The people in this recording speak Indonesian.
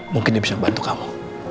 mungkin dia bisa bantu kamu